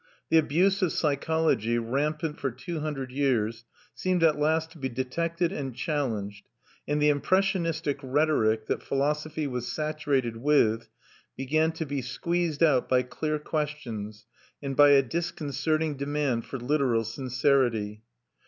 The abuse of psychology, rampant for two hundred years, seemed at last to be detected and challenged; and the impressionistic rhetoric that philosophy was saturated with began to be squeezed out by clear questions, and by a disconcerting demand for literal sincerity.